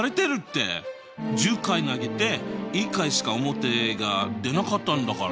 １０回投げて１回しか表が出なかったんだから。